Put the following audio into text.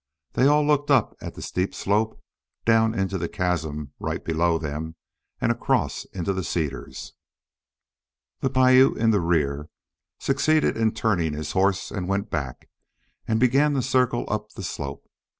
They all looked up at the steep slope, down into the chasm right below them, and across into the cedars. The Piute in the rear succeeded in turning his horse, went back, and began to circle up the slope.